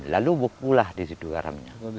lalu bukulah di situ garamnya